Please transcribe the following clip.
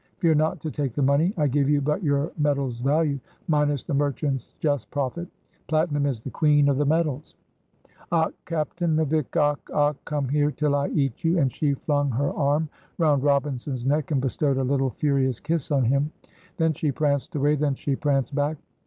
Fear not to take the money. I give you but your metal's value, minus the merchant's just profit. Platinum is the queen of the metals." "Och, captain, avick! och! och! come here till I eat you!" And she flung her arm round Robinson's neck, and bestowed a little furious kiss on him. Then she pranced away; then she pranced back.